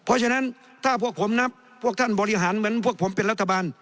เพราะฉะนั้นถ้าพวกผมนับพวกท่านบริหารเหมือนพวกผมเป็นรัฐบาล